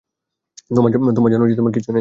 তোমার জন্য কিছু এনেছি।